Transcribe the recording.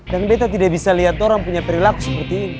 dan betah tidak bisa lihat orang punya perilaku seperti ini